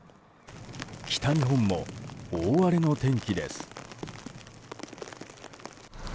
北日本も大荒れの天気です。